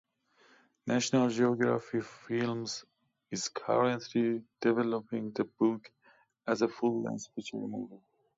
National Geographic Films is currently developing the book as a full-length feature movie.